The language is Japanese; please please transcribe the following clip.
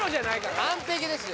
完璧ですよ